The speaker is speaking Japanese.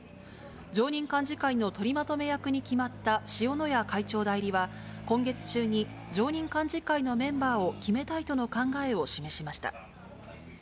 常任幹事会の取りまとめ役に決まった塩谷会長代理は、今月中に常任幹事会のメンバーを決めたいとの考えを示しました。